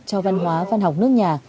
cho văn hóa văn học nước nhà